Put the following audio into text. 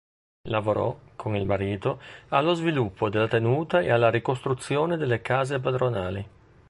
Lavorò, con il marito, allo sviluppo della tenuta e alla ricostruzione delle case padronali.